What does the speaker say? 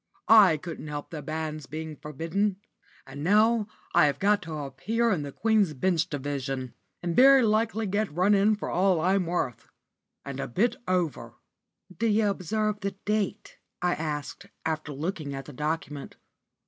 I couldn't help the banns being forbidden. And now I have got to appear in the Queen's Bench Division, and very likely get run in for all I'm worth, and a bit over." "D'you observe the date?" I asked, after looking at the document.